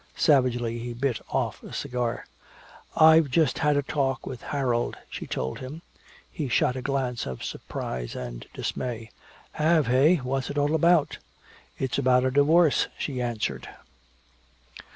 Savagely he bit off a cigar. "I've just had a talk with Harold," she told him. He shot a glance of surprise and dismay. "Have, eh what's it all about?" "It's about a divorce," she answered.